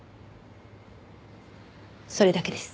それだけです。